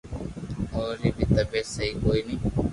اي ري بي طبعيت سھي ڪوئي ني